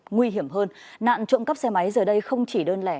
nguy hiểm hơn nạn trộm cắp xe máy giờ đây không chỉ đơn lẻ